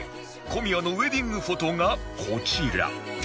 小宮のウェディングフォトがこちら